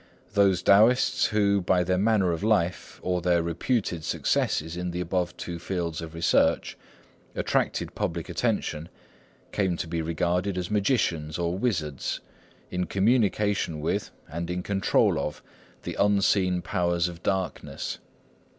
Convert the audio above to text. Those Taoists who, by their manner of life, or their reputed successes in the above two fields of research, attracted public attention, came to be regarded as magicians or wizards, in communication with, and in control of, the unseen powers of darkness.